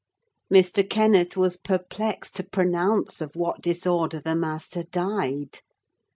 Mr. Kenneth was perplexed to pronounce of what disorder the master died.